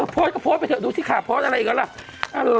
โพสก็โพสไปเดี๋ยวดูสิคะโพสอะไรกันหรอ